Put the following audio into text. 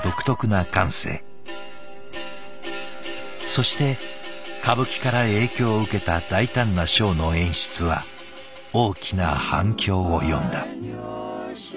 そして歌舞伎から影響を受けた大胆なショーの演出は大きな反響を呼んだ。